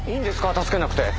助けなくて。